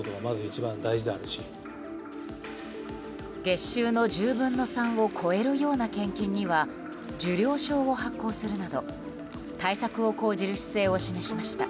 月収の１０分の３を超えるような献金には受領証を発行するなど対策を講じる姿勢を示しました。